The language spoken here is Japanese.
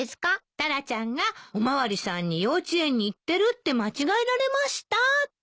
タラちゃんがお巡りさんに幼稚園に行ってるって間違えられましたって。